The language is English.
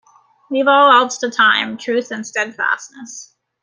Leave all else to time, truth, and steadfastness.